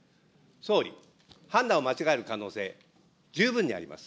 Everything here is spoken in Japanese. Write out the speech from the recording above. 総理、判断を間違える可能性、十分にあります。